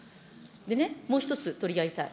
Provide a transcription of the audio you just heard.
でね、もう１つ取り上げたい。